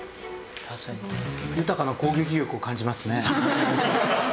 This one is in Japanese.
確かに豊かな攻撃力を感じますね。